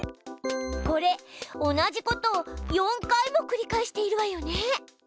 これ同じことを４回も繰り返しているわよね。